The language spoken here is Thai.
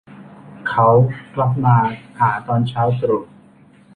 เขากลับมาหาตอนเช้าตรู่